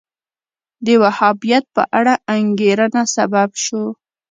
د وهابیت په اړه انګېرنه سبب شو